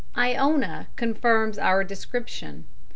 "Iona" confirms our description.